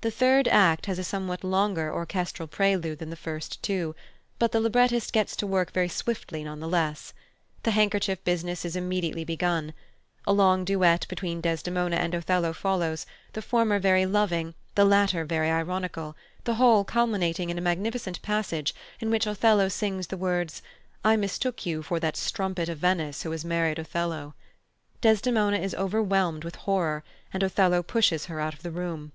The third act has a somewhat longer orchestral prelude than the first two, but the librettist gets to work very swiftly none the less. The handkerchief business is immediately begun. A long duet between Desdemona and Othello follows, the former very loving, the latter very ironical, the whole culminating in a magnificent passage in which Othello sings the words, "I mistook you ... for that strumpet of Venice who has married Othello." Desdemona is overwhelmed with horror, and Othello pushes her out of the room.